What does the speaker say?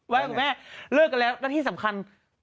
คุณแม่เลิกกันแล้วแล้วที่สำคัญ